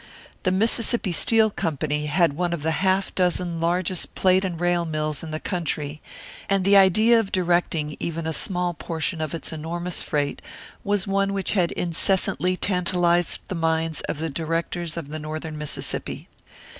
The Mississippi Steel Company had one of the half dozen largest plate and rail mills in the country, and the idea of directing even a small portion of its enormous freight was one which had incessantly tantalised the minds of the directors of the Northern Mississippi.